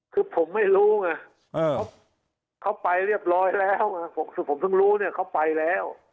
คือผมไม่รู้ไงเขาไปเรียบร้อยแล้วผมเพิ่งรู้เนี่ยเขาไปแล้ว